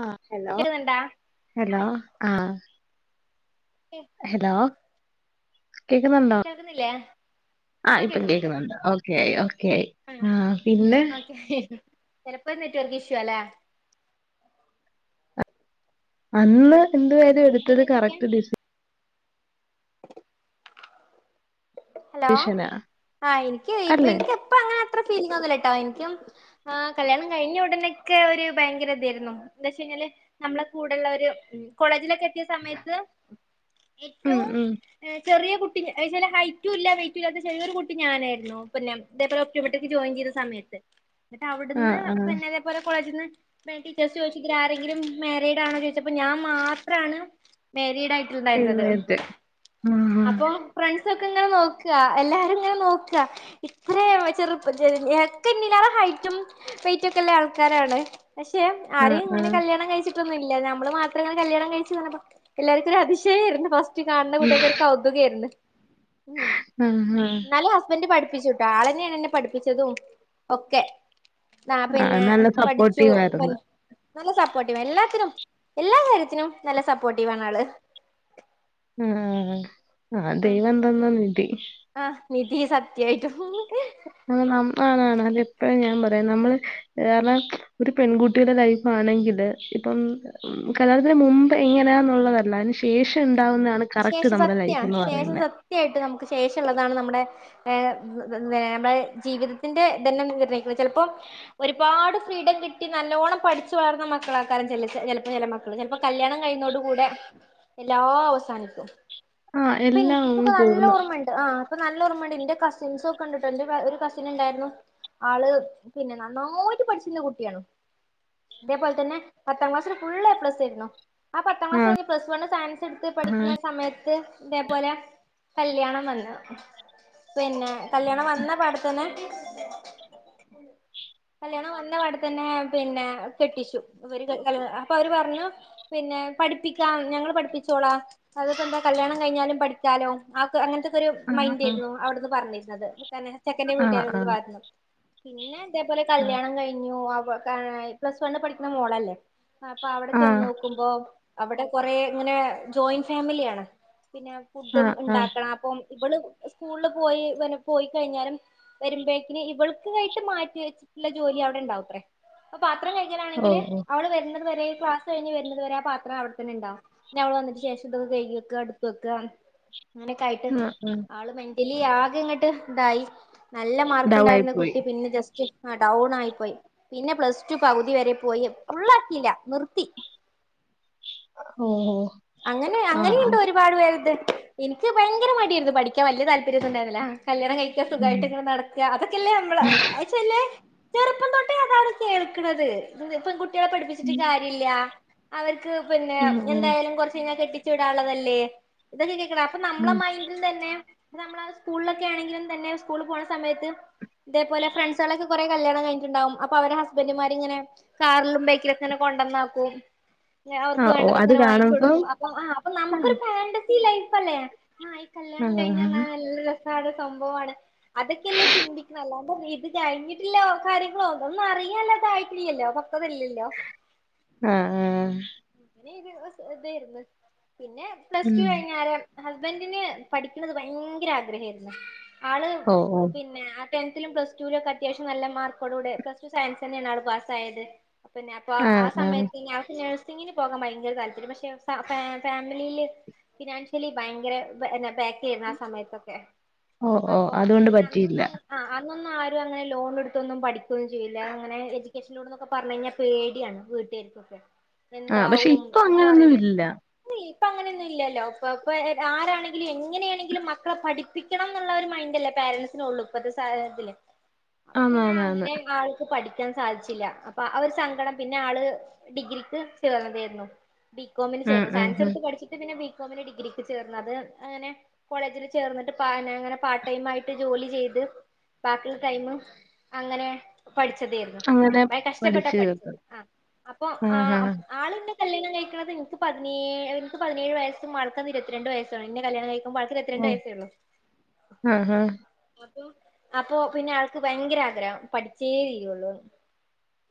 ആഹ് hello കേക്കുന്നുണ്ടാ hello ആഹ് എ ഹലോ, കേക്കുന്നുണ്ടോ കേൾക്കുന്നില്ലേ. ആഹ് ഇപ്പം കേൾക്കുന്നുണ്ട് ഓക്കെ ഓക്കെ ആയി ആ പിന്നെ. [unintelligible] ചിലപ്പോൾ നെറ്റ് വർക്ക് ഇഷ്യൂ അല്ലേ. അന്ന് രണ്ട് പേരും എടുത്തത് പിന്നെ എന്തൊക്കെയാ കറക്ട് ഡി ഹലോ, ഡിസിഷനാ ആ എനിക്ക് ഇ അല്ലെ എനിക്ക് ഇപ്പ അങ്ങനെ അത്ര ഫീലിങ്ങ് ഒന്നില്ലട്ടോ എനിക്കും. ആഹ് കല്യാണം കഴിഞ്ഞ ഉടനെക്കെ ഒരു ഭയങ്കര ഇതായിരുന്നു എന്താ വെച്ച കഴിഞ്ഞാല്. നമ്മളെ കൂടെള്ളോർ കോളജിലൊക്കെ എതിയാ സമയത്ത് ഉം ഏറ്റവും ഉം ചെറിയ കുട്ടി ഹൈറ്റും ഇല്ല വെയിറ്റും ഇല്ലാത്ത ചെിയൊരു കുട്ടി ഞാനായിരുന്നു പിന്നെ ഇതേപോല ഓപ്റ്റോമെത്രിക്ക് ജോയിൻ ചെയ്ത സമയത്ത്. പിന്നെ അവിടുന്ന് ആഹ് ആഹ് പിന്നെ ഇതെപോലെ കോളേജിൽ നിന്ന് ടീച്ചേഴസ് ചോദിച്ചു തിൽ ആരെങ്കിലും മാരീഡ് ആണോ ചോദിച്ചപ്പോ ഞാൻ മാത്രമാണ്. മേരീഡ് ആയിട്ടുണ്ടായിരുന്നത് എഴുന്നേറ്റ് ആഹ് അപ്പൊ ഫ്രണ്ട്സ്. ഫ്രൻഡ്‌സൊക്കെ ഇങ്ങെനെ നോക്കാ എല്ലാരും ഇങ്ങനെ നോക്കാ. ഇത്ര ചെറുപ്പെ ഒക്കെ ഇന്നിലേറെ ഹൈറ്റും വെറ്റും ഒക്കെള്ള ആൾക്കാരാണ്. പക്ഷെ ആഹ് ആരെയും ഇങ്ങനെ ആഹ് കല്യാണം കഴിച്ചി നമ്മള് മാത്ര കല്യാണം കഴിച്ചു വന്നപ്പോ എല്ലാവർക്കും ഒരു അതിശയയിരുന്നു ഫസ്റ്റ് കാണുന്ന കുട്ട്യാൾക്ക്. കൗതുകേർന്നു. മ്മ് ഹ്. ഹസ്ബൻ്റ് പഠിപ്പിച്ചുട്ടോ ആളന്നെയാണ് എന്നെ പഠിപ്പിച്ചതും ഒക്കെ ആ ആഹ് പിന്നെ നല്ല പഠിച്ചു. സപ്പോർട്ടീവ് ആയിരുന്നു നല്ല സപ്പോർട്ടീവ് എല്ലാത്തിനും എല്ലാ കാര്യത്തിനും നല്ല സപ്പോർട്ടീവണ് ആള്. ഹ്മ് ആഹ് ദൈവം തന്ന നിധി. ആഹ് നിധി സത്യായിട്ടും. അ നന്നാണ് [inaudible] അതപ്പോഴും ഞാൻ പറയാം നമ്മള്. വേറെ ഒരു പെൺകുട്ടിയുടെ ലൈഫ് ആണെങ്കില് ഇപ്പം. ഉം കല്യാണത്തിന് മുമ്പ് എങ്ങനാന്നുള്ളതല്ല അതിന് ശേഷം ഉണ്ടാവുന്നതാണ്. കറക്റ്റ് നമ്മുടെ ലൈഫ് എന്ന് പറയുന്നേ. സത്യയായിട്ട് നമുക്ക് ശേഷം ഉള്ളതാണ് നമ്മുടെ. വേറെ ജീവിതത്തിന്റെ തന്നെർണയിക്കുന്നു ചിലപ്പോ. ഒരുപാട് ഫ്രീഡം കിട്ടി നല്ലോണ്ണം പഠിച്ച് വളർന്ന മക്കളക്കാരം ച ചിലപ്പോ ചില. ചിലപ്പോ കല്യാണം കഴിയുന്നോട് കൂടെ എല്ലാ അവസാനിക്കും. ആഹ് ഇപ്പം എല്ലാം ഇന്ക്ക് അങ്ങ് ഒക്കെ നല്ല പോകുന്നു ഓർമണ്ട്. ആഹ് അപ്പൊ നല്ലോർമ്മയുണ്ട് ഇന്റെ കസിൻസ് ഒക്കെ ഇണ്ടാട്ടോ എന്റെ ഒരു കസിൻ ഉണ്ടായിരുന്നു. ആള് പിന്നെ നന്നായിട്ട് പഠിച്ചിരുന്ന കുട്ടിയാണ് ഇതേപോലെ തന്നേ പത്താം ക്ലാസ്സി ഫുള്ള് എ പ്ലസ് ആയിരുന്നു ആ പത്താം ക്ലാസ്സ്‌ ആഹ് കഴിഞ് പ്ലസ്ണ് സയൻസ്ടുത്ത് പടി പിന്നെ സമയത്ത് ഇതേപോലെ കല്യാണം വന്നു പിന്നെ കല്യാണം വന്ന പാടത്തന്നെ കല്യാണം വന്ന പ്പാടെതന്നെ പിന്നെ കെട്ടിച്ചു ഇവര് ല് അപ്പൊ അവര് പറഞ്ഞു. പിന്നെ പഠിപ്പിക്കാ ഞങ്ങൾ പഠിപ്പിച്ചോളാ അത് പ്പ എന്താ കല്യാണം കഴിഞ്ഞാലും പഠിക്കാലോ ആ അങ്ങനത്തെക്കെ ഒരു മൈൻഡ് ആഹ് ആയിരുന്നു അവിടുന്ന് പറഞ്ഞിരുന്നത്. ച്ചെക്കന്റെ ആഹ് വീട്ടുകാർ ഇതിൽ ആഹ് വു പിന്നെ ഇതേപോലെ ആഹ് കല്യാണം കഴിഞ്ഞു അവ പ്ലസ് വണിൽ പഠിക്കുന്ന മോളെല്ലേ അപ്പൊ അവിടെ ആഹ് ചെന്നൊ ക്കുമ്പോ അവിടെ കൊറേ ഇങ്ങനെ ജോയിന്റ് ഫാമിലിയാണ് പിന്നെ ഫുഡും ആഹ് ആഹ് ഉണ്ടാക്കണം അപ്പൊ ഇവള് സ്കൂളിൽ പോയി പോയിക്കഴിഞ്ഞാലും വരുമ്പോഴേക്കിന് ഇവൾക്ക് ആയിട്ട് മാറ്റി വെച്ചിട്ടുള്ള ജോലി അവിടെ ഉണ്ടാവുത്ര ഇപ്പൊ പത്രം കഴി അങ്ങനെയാണങ്കിൽ ഓഹ് ഓഹ് അവള് വരുന്നത് വരെ ക്ലസ് കഴിഞ് വരുന്നത് വരെ ആ പത്രം അവിടെ തന്നെണ്ടും പിന്ന അവൾ വന്നിട്ട് ശേഷം കഴികി വെക്ക ഇട്ത്ത് വെക്ക അങ്ങനെയൊക്കെ ആയിട്ട് ആഹ് ആഹ് ആൾ ഇതില് ആദ്യംഇങ്ങോട്ട് ഇതായി നല്ല മാർക്ക് ഡൗൺ ആയി ഉണ്ടായിരുന്ന പോയി കുട്ടി പിന്നെ ജസ്റ്റ് ആഹെ ഡൗൺ ആയി പോയി പിന്നെ പ്ലസ് ടു പകുതി വരെ പോയി ഫുള്ളാക്കിയില്ല നിർത്തി ഓ ഓ അങ്ങനെ അങ്ങനെയുണ്ടോ ഒരുപാട് പേരു ഇത് ഇനിക്ക് ഭയങ്കര മടിയായിരുന്നു പഠിക്കാൻ വലിയ താല്പ ര്യ ഉണ്ടായിരുന്നില്ല കല്യാണം കഴിക്ക ഉം സുഖായിട്ട് ഇങ്ങനെ നടക്ക അതൊക്കെല്ലേ നമ്മള് എത്നാച്ചാല് ചെറുപ്പം തൊട്ടേ അതാണ് കേൾക്കാണത് പെൺകുട്ടികളെ പഠിപ്പിച്ചട്ട് ഉം കാര്യാ ല്ല്യാ അവർക്ക് പിന്നെ ഉം ഉം എന്തായാലും കൊറ ച്ച് കഴിഞ്ഞ കെട്ടിച്ചുവിടാനുള്ളള്ളതല്ലേ ഇതൊക്കെ കേക്കണേ അപ്പൊ നമ്മടെ ഉം മൈ തന്നെ നമ്മള സ്കൂളിലൊക്കെ ആണെങ്കിലും തന്നെ സ്കൂളിൽ പോണ സമയത്ത് ഇതേപോലെ ഫ്രണ്ട്സുകളൊക്കെ കൊറെ കല്യാണം കഴിഞ്ഞട്ടുണ്ടാവും അപ്പൊ അവരുടെ ഹസ്ബൻഡ്മാർ ഇങ്ങനെ കാറിലും ബൈക്കിലും ഇങ്ങനെ കൊണ്ടന്നാക്കും. പിന്നെ അവർക്ക് ആഹ് ഓഹ് അത് വേണ്ടതൊക്കെ വാങ്ങിച്ച് കാണുമ്പം കൊടുക്കും അപ്പ ആഹ് നമുക്കൊരു ഫാന്റസി ലൈഫ് അല്ലേ കല്യാണം ആഹ് കഴിഞ്ഞ് ആഹ് ന്ന് പറഞ്ഞാൽ രസാണ് സംഭവാണ് അതൊക്കെയല്ലേ ചിന്തിക്കണ അല്ലാണ്ട് ഇത് കഴിഞ്ഞിട്ടില്ല കാര്യങ്ങളോ ഒന്നും അറിയാല്ല അതായിട്ടില്ലല്ലോ അപ്പൊ ഇപ്പവരില്ലോ ആഹ് ആഹ് അങ്ങനെ ഇതായിരുന്നു പിന്നെ പ്ലസ്ടു ഉം കഴിഞ്ഞാരെ ഹസ്ബൻഡന് പഠിക്കണത് ഭയങ്കര ആഗ്രഹയിരുന്നു ആള് ഓഹ് ഓഹ് പിന്നെ ടെൻത്തിലും പ്ലസ്ടുലുംക്കെ അത്യാവശ്യം നല്ല മാർക്കോടകൂടെ പ്ലസ്ടു സയൻസ് തന്നെയാണ് പാസ്സായത് പിന്നെ അപ്പൊ ആ ആഹ് ആഹ് സമയത്ത് ഞാൻ ഫിനാൻസ് സിങ്ങിന് പോകാൻ ഭയങ്കര താല്പര്യ പക്ഷെ ഫ ഫാമിലിയില് ഫിനാൻഷ്യലി ഭയങ്കര എന്നെ ബേക്കയിരുന്നു ആ സമയത്തൊക്കെ ഓ ഓ അതുകൊണ്ട് പറ്റിയില്ല. ആഹ് അന്നൊന്നും ആരുംഅങ്ങനെ ലോൺ എടുത്തൊന്നും പഠിക്കോന്നും ചെയ്യില്ല അങ്ങനെ എജി കെച്ച്ലോണ്ന്നൊക്ക പറഞ്ഞ്കഴിഞ്ഞാ പേടിയാണ് വീട്ടുകാർക്കൊക്കെ ആഹ് പക്ഷെ ഇപ്പൊ അങ്ങനൊന്നും ഇല്ല ന്നി ഇപ്പ അങ്ങനെയൊന്നും ഇല്ലല്ലോ ഇപ്പ ഇപ്പ ആരാണെങ്കിലും എങ്ങനെയാണെങ്കിലും മക്കളെ പഠി പ്പിക്കണം എന്നുള്ള ഒരു മൈൻഡ അല്ലേ പേരൻറ്സിന്ഉള്ളൂ ഇപ്പഴത്തെ സാഹചരത്തില് [unintelligible] അപ്പ പിന്നെ ആന്ന് ആന്ന് അങ്ങനെ ആൾ ക്ക്‌ പഠിക്കാൻ സാധിച്ചില്ല. അപ്പൊ ആ ഒരു സങ്കടം പിന്നെ ആള് ഡിഗ്രിക്ക് ചേർന്നതേര്ന്നു ബീ കോമിനു ഉം ചേർന്നു ഉം സയൻസ് ഉം എടുത്ത് പഠിച്ചിട്ട് പിന്നെ ബികോമിന്ഡിഗ്രിക്ക് ചേർന്നുഅത് അങ്ങനെ കോളേജില് ചേർന്നിട്ട് പ അങ്ങനെ പാർട്ട് ടൈം ആയിട്ട് ജോലി ചെയ്ത് ബാക്കിയുള്ള ടൈമ് അങ്ങനെ പഠിച്ചതേരുന്നു അങ്ങനെ കൊറേ കഷ്ടപ്പെട്ടാ പഠിച്ചു പഠിച്ചത് തീർത്തത് ആ അപ്പൊ ആഹാ ആ ആള്ന്നെ കല്യാണം കഴിക്കണത് ഇൻക്ക് പതിനേ എനിക്ക് പതിനേഴ് വയസും ആൾക്കന്ന് ഇരുപത്തി രണ്ട് വയസുആണ്. ന്നെ കല്യാണം കഴി മ്പോ ആൾക്ക് ഇരുപത്തിരണ്ട് ഓ വയസേള്ളു ആഹാ അതോ അപ്പൊ പിന്നെ ആൾക്ക് ഭയങ്കര ആഗ്രഹം പഠിച്ചേ തീരുള്ളൂ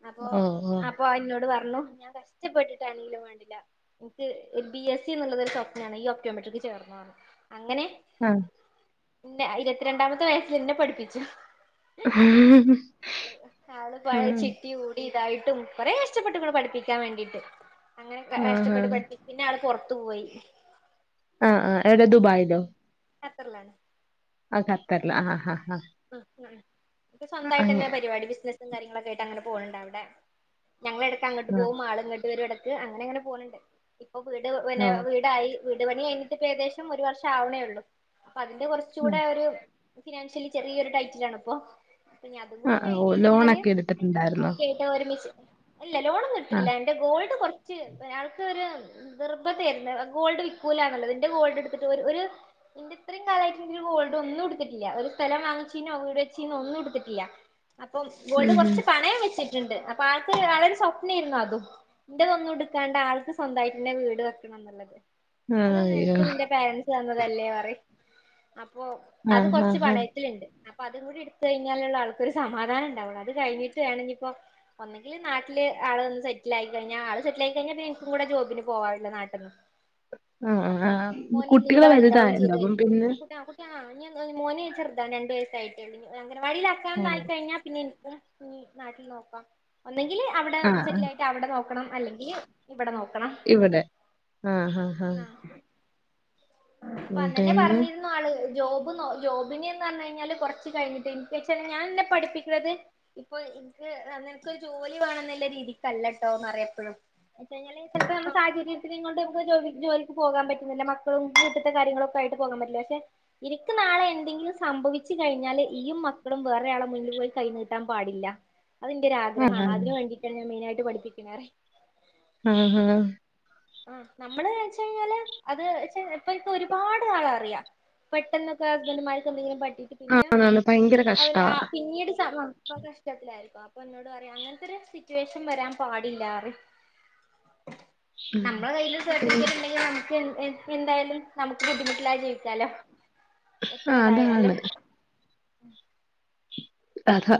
അപ്പൊ ഓ ഓ അപ്പൊ ആ എന്നോടു പറഞ്ഞു ഞാൻ കശ് ഷ്ടപ്പെട്ടിട്ടണെങ്കിലും വേണ്ടില്ല എനിക്ക് ബി എസ് ഇ ന്നുള്ളതൊരു സ്വപ്നാണ്. നീ ഓപ്റ്റോമെട്രിക്ക് ചേർന്നോ അങ്ങനെ ആഹ് പിന്നെ ഇരുപത്തിരണ്ടാമത്തെ വയസ്സ്ല്ന്നെ പഠിപ്പിച്ചു ആള് പഴയ ഉം ചിട്ടി കൂടി ഇതായിട്ടും കൊറെ കഷ്ടപ്പെട്ട്ക്ക്‌ണ് പഠിപ്പിക്കാൻ വേണ്ടിയിട്ട് അങ്ങനെ ആഹാ കഷ്ടപ്പെട്ട് പട്പി പിന്നാള് പൊറത്തു പോയി ആഹ് ആഹ് എവിടെ ദുബായിലോ ഖത്തറിലാണ് ആ ഖത്തറില ആഹ് ആഹ് ആഹ് ഉ ഉം ഇപ്പ സ്വന്തായിട്ടന്നെ പരിപാടി ബിസിനസ്സും കാര്യങ്ങളും ഒക്കെ ആയിട്ടങ്ങനെ പോണുണ്ട വിടെ ഞങ്ങളെടക്കങ്ങട്ട് ആ പോകും. ആള് ങ്ങട്ട് വരും എടക്ക്, അങ്ങനെങ്ങനെ പോണ് ണ്ട് അപ്പ വീട് പിന്നെ ഓ വീടായി വീട് പണി കഴിഞ്ഞിട്ട്പ്പേകദേശം ഒരു വർഷം ആവണേ ഉള്ളൂ. അപ്പതിന്റെ കൊറച് ആ ചൂടെ ഒരു ഫിനാൻഷ്യലി ചെറിയൊരു ടൈറ്റ് ലാണ് പ്പൊ ആഅ ഓ ലോണൊക്കെ എടുത്തിട്ടുണ്ടായിരുന്നോ ഒക്കെ ആയിട്ട് ഒരുമിച്ച് ഇല്ല ലോണൊന്നു ആ എടുത്തിട്ടില്ല എന്റെ ഗോൾഡ് കൊർച്ച് ആൾക്കൊരു നിർബന്തേര്ന്നു. ഗോൾഡ് വിക്കൂലന്ന്ള്ളത്. ന്റെ ഗോൾഡ്ട്ത്ത്ട്ട് ഒരു ന്റെ ത്രിംകാലായിട്ട് ന്റൊരു ഗോൾഡൊന്നും ട്ത്തിട്ടില്ല ഒര് സ്ഥലം വാങ്ങിച്ചീനോ വീട് വെച്ചീനോ ഒന്നുട്ത്തിട്ടില്ല, അപ്പൊ ഗോൾഡ് ഉം ഉം കൊർച്ച് പണയം വെച്ച് ട്ട്ണ്ട്. അപ്പൊ ആൾക്കൊരു ആളൊരു സ്വപ്നേയിരുന്നു അതും ന്റെ തൊന്നുംട്ക്കാണ്ട് ആൾക്ക് സ്വന്തായിട്ട്ന്നെ വീട് വെക്കണംന്ന്ള്ളത്. ആ അത് അയ്യോ നിൻക്ക് നിൻ്റെ പാരൻസ് സ് തന്നതല്ലേ പറിം. അപ്പൊ ആ അത് ഹാ കൊർച്ച് ഹാ പണയ ല്ണ്ട്. അപ്പതും കൂടിട്ത്തു കഴിഞ്ഞാലേ ആൾക്കൊരു സമാധാനണ്ടാവുള്ളു അത് കഴിഞ്ഞിട്ട് വേണംന്നിപ്പോ ഒന്നെങ്കിൽ നാട്ടില് ആളൊന്ന് സെറ്റിലായി കഴിഞ്ഞാ ആൾ സെറ്റിലായി കഴിഞ്ഞ ഇൻക്കും കൂടെ ജോബിന് പോവാല്ലോ നാട്ട്ന്ന് [inaudible] ആ ആ ആ ആഹ് കുട്ടികള് വലുതായല്ലോ അപ്പം പിന്നെ ആഹ് ഇനി എന്തുവാന്ന് മോന് ചെറുതാണ്. രണ്ട് വയസേ ആയിട്ടുള്ളു ഓ അംഗനവാടിലാക്കാൻ ആയി കഴിഞ്ഞാൽ പിന്നെ ഇന്ക് നാട്ടിൽ നോക്കാം ഒന്നെങ്കിൽ അവിടെ ആ ആ സെറ്റിൽ ആയിട്ട് അവിടെ നോക്കണം അല്ലെങ്കിൽ ഇവിടെ നോ ഇവടെ ആഹ് ഹഹ പ്പന്നന്നെ ഇവിടെന്ന് പറഞ്ഞിരുന്നു ആള്, ജോബ് നോ ജോബിന് എന്ന് പറഞ്ഞ് കഴിഞ്ഞാല് കൊറച്ച് കഴിഞ്ഞിട്ട് ഇൻഫെക്ഷൻ ഞാനെന്നെ പഠിപ്പിക്ക്‌ണത് ഇപ്പൊ ഇൻക്ക് നിനക്കൊരു ജോലി വേണം ന്ന്ല്ല രീതിക്കല്ലട്ടോ ന്നറ്യേപ്പളും. എന്നുവെച്ച് കഴിഞ്ഞാല് ചെൽപ്പോ നമ്മ സാഹചര്യത്തി ങ്ങണ്ട് കൊണ്ട് ജോ ജോലിക്ക് പോകാ പറ്റുന്നില്ല മക്കളും വീട്ടത്തെ കാര്യങ്ങളൊക്കായിട്ട് പോകാൻ പറ്റില്ല പക്ഷെ ഇനിക്ക് നാളെ എന്തെങ്കിലും സ സംഭവിച്ചു കഴിഞ്ഞാല് നീയും മക്കളും വേറൊരാളെ മുന്നില് പോയി കൈനീട്ടാൻ പാടില്ല അതിന്റെ ഒരാഗ്രഹമാണ് അതാണ് അതിന് വേണ്ടിട്ടാണ് ഞാൻ മെയിനായിട്ട് പഠിപ്പിക്കുന്നേ ആഹ ആഹ ആ നമ്മള് വെച്ച കഴിഞ്ഞാല് അത് വച്ച ഇപ്പ ഇപ്പ ഒരുപാട് ആള് അറിയാം പെട്ടെന്നൊക്കെ ഹസ്ബൻഡുമാർക്ക് എന്തെങ്കിലും പറ്റിട്ട് പിന്നെ ആണാണ് ഭയങ്കര അവര് കഷ്ടവാ ആ പിന്നീട് ഇങ്ങനെയാരിക്കോ അപ്പൊ എന്നോട് പറയാ അങ്ങനത്തെ ഒരു സിറ്റുവേഷൻ വരാൻ പാടില്ലാറ് യും ഉം നമ്മളുടെ കയ്യിലൊരു സർട്ടിഫിക്കറ്റ് ഉണ്ടെങ്കിൽ നമുക്ക് എന്തായാലും നമുക്ക് ബുദ്ധിമുട്ടില്ലാതെ ജീവിക്കാലോ ആഹ് എത്രയിതയാലും അതാണ് അതാ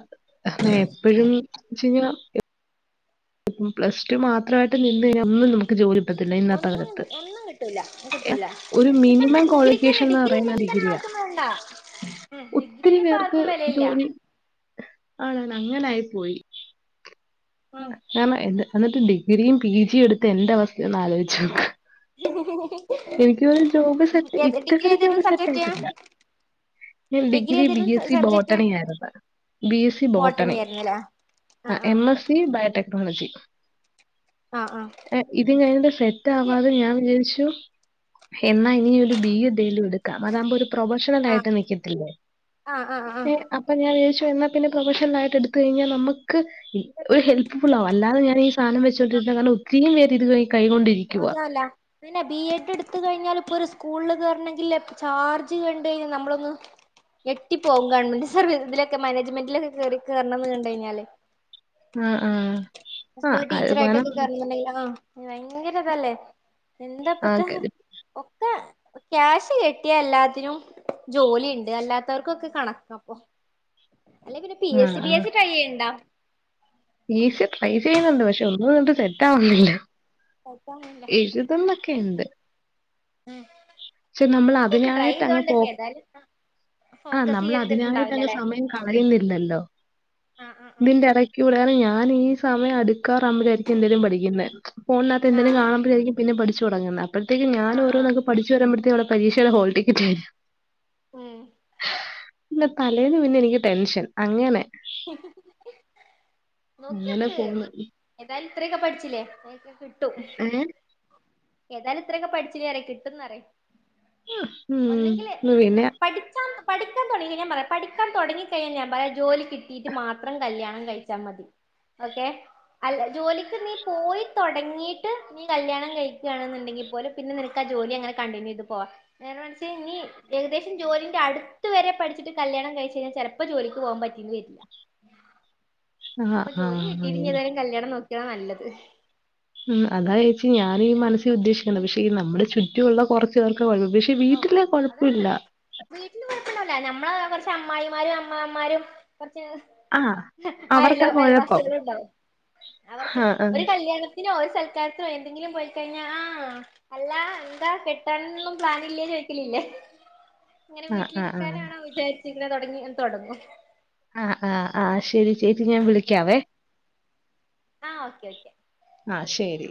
എന്ന എപ്പോഴും എന്നുവച്ച് കഴിഞ്ഞാ [unintelligible] പ്ലസ് ടൂ മാത്രമായിട്ട് നിന്ന് കഴിഞ്ഞാ ഒന്നും നമുക്ക് ജോലി കിട്ടത്തില്ല ഇന്നത്തെ ഒന്നും കാലത്ത് ഒന്നും കിട്ടൂല്ല കിട്ടൂല്ല ഒരു ഇപ്പ എന്താ മിനിമം ഡിഗ്രിക്ക് ക്വാളിഫിക്കേഷൻ തന്നെ എന്ന് ഡിഗ്രി പറയുന്ന ഉണ്ടെങ്കിൽ തന്നെ ഡിഗ്രിയാ ആ വേണ്ട ഡിഗ്രിനെ ഇപ്പ ആർക്കും വിലയില്ല ആണോ അങ്ങനായി പോയി കാരണം എ എന്നിട്ട് ഡിഗ്രിയും പി ജിയും എടുത്ത് എന്റെ അവസ്ഥ ഒന്ന് ആലോചിച്ച് ഓക്ക് എനിക്ക് ജോബ്സെറ്റ് ഡിഗ്രി ഇതുവരെ ഒരു ഏതായിരുന്നു ജോബ്സെറ്റ് സബ്ജക്ട് ആയിട്ടില്ല ഞാൻ ഡിഗ്രി ബി ഏതേലും എസ് സി സബ്ജക്ട് ബോട്ടണി ആയിരുന്നു ബി എസ് സി ബോട്ടണി ആഹ എം എസിബയോടെക്നോളജി ആഹ് ആഹ് ഇത് കഴിഞ്ഞ് സെറ്റ് എനിക്ക് ആവാതെ ഞാൻ വിചാരിച്ചു എന്നാ ഇനി ഒരു ബി എടുക്കാം അതാവുമ്പ ഒരു പ്രൊഫഷണൽ ആഹ് ആയിട്ട് നിക്കത്തില്ലേ ആഹ് ആഹ് ആഹ് അപ്പൊ ഞാൻ വിചാരിച്ചു എന്നാൽ പിന്നെ പ്രൊഫഷണൽ ആയിട്ട് എടുത്ത കഴിഞ്ഞാൽ നമ്മുക്ക് ഒരു ഹെൽപ്ഫുൾ ആകും അല്ലതെ ഞാൻ ഈ സാധനം വച്ചൊണ്ടിരുന്ന് കാരണം ഒരുത്തിരി പേര് ഇത് കൈകൊണ്ടിരിക്കുക മാത്രവു [unintelligible] ല്ല പിന്നെ ബി എഡ് എടുത്ത് കഴിഞ്ഞാൽ ഇപ്പൊ ഒരു സ്കൂളിൽ കേയറണെങ്കില് ചാർജ് കണ്ട് കഴിഞ്ഞാൽ നമ്മളൊന്ന് ഞെട്ടിപ്പോവും ഗവൺമെന്റ് സർവ ഇതിലക്കെ മാനേജ്മെന്റിലൊക്കെ കേറി കേറണംന്ന് കണ്ട് കഴിഞ്ഞാല് ആ ആ ആ അത് കാരണം സ്കൂളിടീച്ചർആയിട്ടൊക്കെകേറണം ന്ണ്ടങ്കിൽ ആ ഭയങ്കരഇതാല്ലേ ആ എന്താപ്പത്തെ ക- ഒക്കെ ക്യാഷ് കെടട്ട്യാഎല്ലാത്തിനും ജോലിണ്ട് അല്ലാത്തവർകൊക്കെ കണക്കാപ്പൊ അല്ലെങ്കിപിന്നെ പി ആ S C P S C ട്രൈയ്യ്ണ്ടാ പി. എസിട്രൈ ചെയ്യുന്നുണ്ട് പക്ഷെ ഒന്നും ത്തണ്ട്സെറ്റ്ആവുന്നില്ല എഴുതുന്നൊക്കെണ്ട് [inaudible] നമ്മൾ നൊക്ക്യോക്ക്‌ട്രൈ അതിനായിട്ട് ചെയ്തോണ്ടൊക്കെ ഏതായാലും ആഹ് ഫോക്കസ് നമ്മള്അതിനായിട്ട് ചെയ്തിട്ടുണ്ടാവില്ല അങ്ങ് അല്ലെ സമയം കളയുന്നില്ലല്ലോ ആഹ് ആഹ് ആഹ് ഇതിന്റെഎട ഞാന് ഈ സമയം അട് ക്കറംലയിരിക്കും എന്തേങ്കും പഠിക്യുന്നെ ഫോനികത്ത് എന്തേലും ആഹ് കാുമ്പോഴാരിക്കുംഎന്തെങ്കിലും പഠിച്ചുടതുടങ്ങുന്നേ അപ്പോഴത്തേക്ക് ആഹ് ആഹ് ഞാനൊരോനങ് പഠിച്ചു വരുമ്പോഴത്തേവിടെ പരീക്ഷയുടെ ഹോൾ ടിക്കറ്റ് ആയി ഉം ഇല്ല തലേന്ന് പിന്നെനിക്ക് ടെൻഷൻ അങ്ങനെങ്ങനെ നോക്കിയോക്ക് അങ്ങനെപോന്ന് ഏതായാലും ഇത്രഒക്കെ പഠിച്ചില്ലേക്കെകിട്ടും ഏഹ് ഏതായാലും ഇത്രയൊക്കെ പഠിച്ചിലെ കിട്ടുന്നറിയ ഉം പിന്നെ പഠിക്കാൻ പഠിക്കാൻതൊടങ്ങി പറ പഠിക്കാ തുങ്ങിക്കഴിഞ്ഞാഞൻ പല ജോലിക്ക്‌ കിട്ടീട്ട് മാത്രം കല്യാണം കഴിച്ചാ മതിഓക്കെ അല്ല ജോലിക്ക് നീപോയി തൊടങ്ങിയിട്ട് നീ കല്യാണം കഴിക്കാണെന്നുണ്ടെങ്കി പൊലും പിന്നെ നിനക്കാ ജോലി അങ്ങനെ കണ്ടിന്യൂ ചെയ്ത് പോവാ നേരെ മറിച്ച് ഇനീ ഏകദേശം ജോലിന്റെ അട്ത്ത് വരെ പഠിച്ചിട്ട് കല്യാണം കഴിചെയ്ഞ്ഞ ചെലപ്പോ ജോലിക്ക് പോവാൻപറ്റിന്ന് വെരില്ല ആഹ് അപ്പൊ ആഹ് ജോലി അങ്ങനെ. കിട്ടിറ്റിനിഏതായാലും കല്യാണം നോക്കാനല്ലത് ഉം അതായിച്ചി ഞാന് ഈമനസ്സി ഉദ്ദേശിക്ക്‌ന്ന ഉം പക്ഷേ ഈനമ്മടെ ചുറ്റുള്ള കുറച്ചു പേർക്ക് [unintelligible] വീട്ടില് കൊഴപ്പുല്ല വീട്ടിൽ പോയിക്കണ്ടല്ല നമ്മളെ കൊറച്ച് അമ്മായിമാരും അമ്മാവമാരും കൊർച്ച് ആഹ്. അലോ അവർക്കാ അയൽ കുഴപ്പം. വാസികളുണ്ടാവും അവർക്ക് ആഹ് ഒര് ആഹ് കല്യാണ ഇനി ഓര് സൽക്കാരത്തിന് പോയി എന്തെങ്കിലും പോയിക്കഴിഞ്ഞ ആഹ് അല്ല എന്താ കെട്ടനൊന്നും പ്ലാനില്ലേ ചോയ്ക്കലില്ലേ ഇങ്ങനെ ആഹ് ആഹ് വീട്ടിലിരിക്കാനാണോ വിചാര്ച്ച് ങ്ങനെ തൊടങ്ങി അങ്ങ് തൊടങ്ങും ആഹ് ആഹ് ആ ശെരി ചേച്ചി ഞാൻ വിളിക്കാവേ ആഹ് ഓക്കെ ഓക്കെ ആഹ് ശെരി